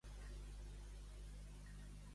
Pertany al moviment independentista la Cande?